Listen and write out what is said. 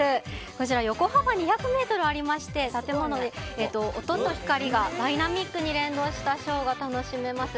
こちら横幅２００ｍありまして音と光がダイナミックに連動したショーが楽しめます。